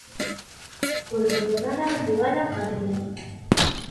Ur bɣiɣ ara ad d-uɣaleɣ ɣer din.